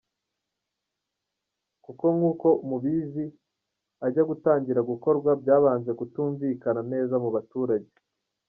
Kuko nk’uko mubizi ajya gutangira gukorwa byabanje kutumvikana neza mu baturage.